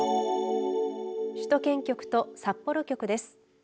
首都圏局と札幌局です。